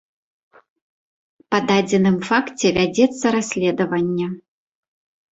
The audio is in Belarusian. Па дадзеным факце вядзецца расследаванне.